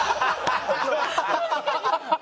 ハハハハ！